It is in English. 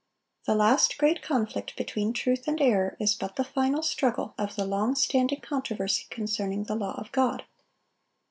The last great conflict between truth and error is but the final struggle of the long standing controversy concerning the law of God.